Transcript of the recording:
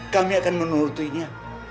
kami akan menuntutinya